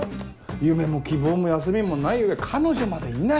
夢も希望も休みもない上彼女までいない！